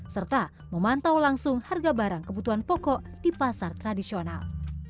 serta memantau langsung harga barang kebutuhan pokok di pasar tradisional